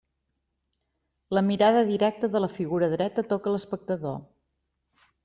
La mirada directa de la figura dreta toca l'espectador.